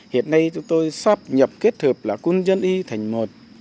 hiện nay chúng tôi sắp nhập kết hợp là quân dân y thành một